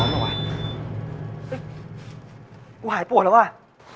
กลูหายปวดแล้วอ่ะ